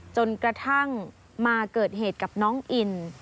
จนกระทั่งมาเกิดเหตุกับน้องอิน